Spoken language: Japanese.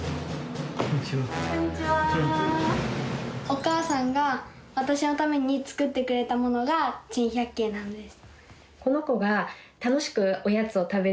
お母さんが私のために作ってくれたものが珍百景なんです。